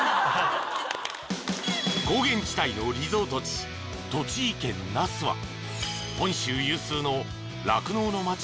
［高原地帯のリゾート地栃木県那須は本州有数の］